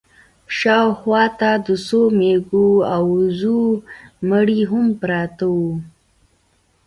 شا و خوا ته د څو مېږو او وزو مړي هم پراته وو.